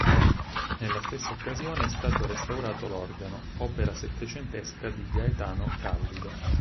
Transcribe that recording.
Nella stessa occasione è stato restaurato l'organo, opera settecentesca di Gaetano Callido.